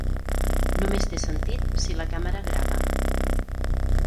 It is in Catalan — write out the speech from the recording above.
Només té sentit si la càmera grava.